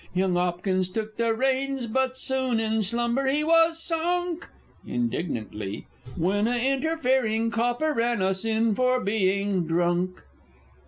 Young 'Opkins took the reins, but soon in slumber he was sunk (Indignantly.) When a interfering Copper ran us in for being drunk!